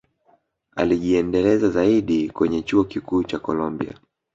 alijiendeleza zaidi kwenye chuo Kikuu cha colombia